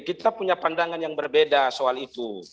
kita punya pandangan yang berbeda soal itu